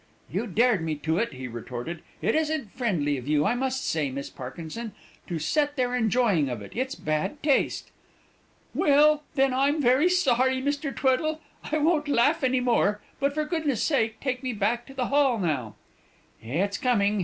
"You dared me to it!" he retorted. "It isn't friendly of you, I must say, Miss Parkinson, to set there enjoying of it it's bad taste!" "Well, then, I'm very sorry, Mr. Tweddle; I won't laugh any more; but, for goodness' sake, take me back to the Hall now." "It's coming!"